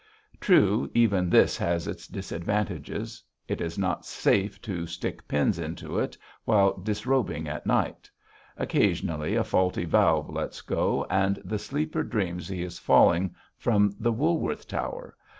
True, even this has its disadvantages. It is not safe to stick pins into it while disrobing at night. Occasionally, a faulty valve lets go, and the sleeper dreams he is falling from the Woolworth Tower.